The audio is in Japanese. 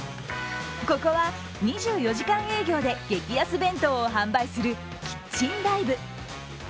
ここは、２４時間営業で激安弁当を販売するキッチンＤＩＶＥ。